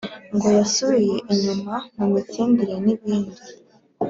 ngo yasubiye inyuma mu mitsindire n’ibindi.